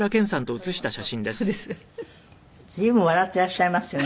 随分笑っていらっしゃいますよね。